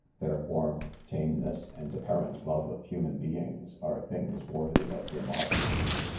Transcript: Their warmth, tameness, and apparent love of hu man beings, are things worthy of remark.